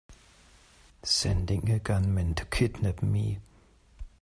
Sending a gunman to kidnap me!